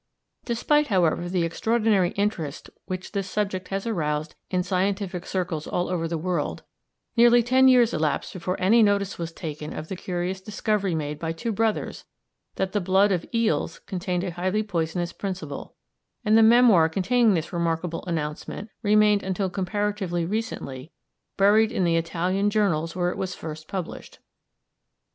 Despite, however, the extraordinary interest which this subject has aroused in scientific circles all over the world, nearly ten years elapsed before any notice was taken of the curious discovery made by two brothers that the blood of eels contained a highly poisonous principle, and the memoir containing this remarkable announcement remained until comparatively recently buried in the Italian journals where it was first published.